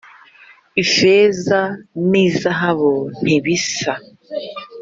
ifeza n ‘izahabu ntibisa.